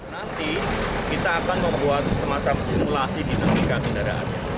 nanti kita akan membuat semacam simulasi di tempat tingkat kendaraan